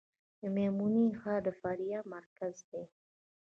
د میمنې ښار د فاریاب مرکز دی